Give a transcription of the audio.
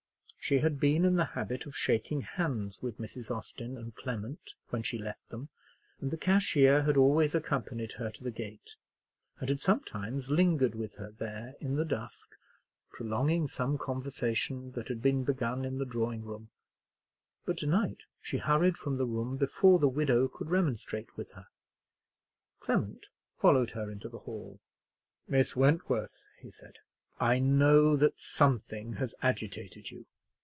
She had been in the habit of shaking hands with Mrs. Austin and Clement when she left them; and the cashier had always accompanied her to the gate, and had sometimes lingered with her there in the dusk, prolonging some conversation that had been begun in the drawing room; but to night she hurried from the room before the widow could remonstrate with her. Clement followed her into the hall. "Miss Wentworth," he said, "I know that something has agitated you.